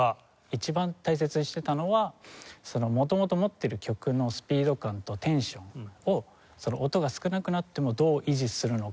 一番大切にしてたのは元々持ってる曲のスピード感とテンションを音が少なくなってもどう維持するのか。